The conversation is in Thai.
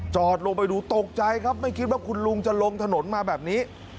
ลงไปดูตกใจครับไม่คิดว่าคุณลุงจะลงถนนมาแบบนี้